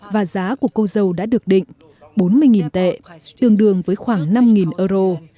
và giá của cô dâu đã được định bốn mươi tệ tương đương với khoảng năm euro